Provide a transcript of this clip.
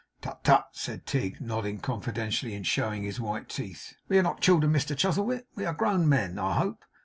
'Tut, tut,' said Tigg, nodding confidentially, and showing his white teeth; 'we are not children, Mr Chuzzlewit; we are grown men, I hope.